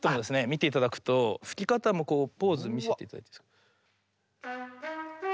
見て頂くと吹き方もこうポーズ見せて頂いていいですか。